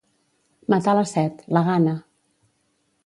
Matar la set, la gana.